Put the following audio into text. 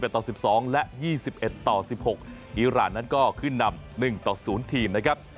ต่อ๑๒และ๒๑ต่อ๑๖อีรานนั้นก็ขึ้นนำ๑ต่อ๐ทีมนะครับ